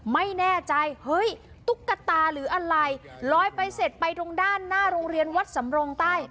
ไม่แน่ใจเฮ้ยตุ๊กตาหรืออะไรลอยไปเสร็จไปตรงด้านหน้าโรงเรียนวัดสำรงใต้